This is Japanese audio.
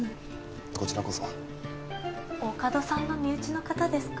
こちらこそ大加戸さんの身内の方ですか？